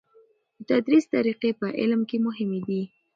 د تدریس طریقی په علم کې مهمې دي.